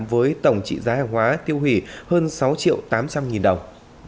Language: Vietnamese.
với tổng trị giá hàng hóa tiêu hủy hơn sáu triệu tám trăm linh nghìn đồng